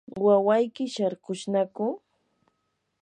¿wawayki sharkushnaku?